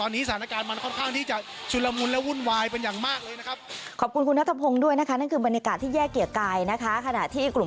นั่นคือบรรยากาศที่เกียรติกายนะคะ